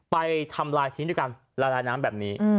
ไปทำลายทิ้งด้วยการละลายน้ำแบบนี้